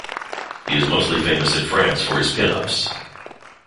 He is mostly famous in France for his pin ups.